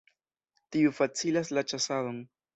Tiu facilas la ĉasadon.